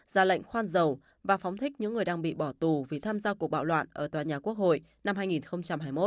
ra lệnh khoan dầu và phóng thích những người đang bị bỏ tù vì tham gia cuộc bạo loạn ở tòa nhà quốc hội năm hai nghìn hai mươi một